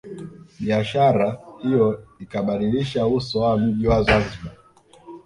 Biashara hiyo ikabadilisha uso wa mji wa Zanzibar